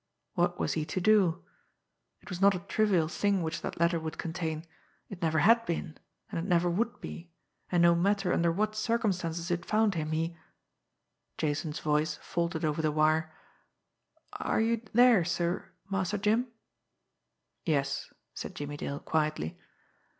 What was he to do! It was not a trivial thing which that letter would contain it never had been, and it never would be, and no matter under what circumstances it found him, he Jason's voice faltered over the wire: "Are you there, sir, Master Jim?" "Yes," said Jimmie Dale quietly.